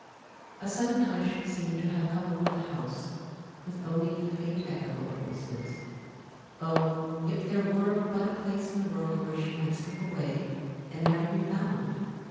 A sudden hush seemed to have come over the house, with only the faint echo of voices. Oh, if there were but a place in the world where she might slip away and never be found!